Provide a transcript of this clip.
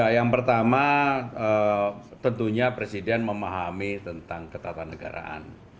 yang pertama tentunya presiden memahami tentang ketatanegaraan